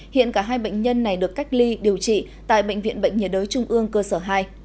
hiện cả hai bệnh nhân này được cách ly điều trị tại bệnh viện bệnh nhiệt đới trung ương cơ sở hai